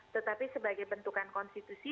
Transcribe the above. tetapi sebagai bentukan konstitusi